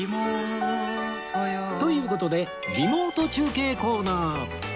という事でリモート中継コーナー